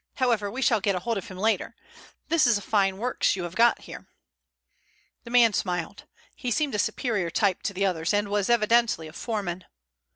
However, we shall get hold of him later. This is a fine works you have got here." The man smiled. He seemed a superior type to the others and was evidently a foreman.